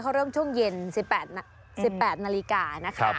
เขาเริ่มช่วงเย็น๑๘นาฬิกานะคะ